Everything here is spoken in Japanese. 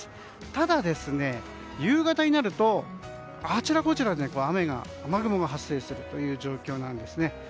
ただ、夕方になるとあちらこちらで雨雲が発生するという状況なんですね。